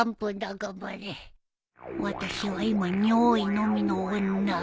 頑張れ私は今尿意のみの女